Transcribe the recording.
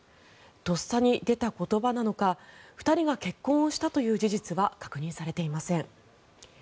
とっさに出た言葉なのか２人が結婚したという事実は確認されていません。